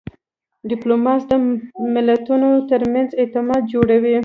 ډیپلوماسي د ملتونو ترمنځ اعتماد جوړوي.